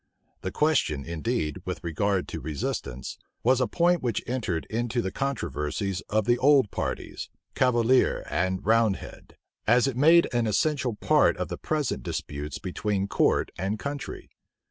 The question, indeed, with regard to resistance, was a point which entered into the controversies of the old parties, cavalier and roundhead; as it made an essential part of the present disputes between court and country.